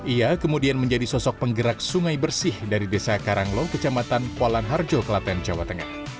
ia kemudian menjadi sosok penggerak sungai bersih dari desa karanglo kecamatan polan harjo kelaten jawa tengah